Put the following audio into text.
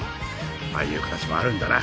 ああいう形もあるんだな。